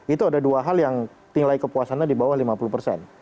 itu ada dua hal yang tinglai kepuasannya di bawah lima puluh persen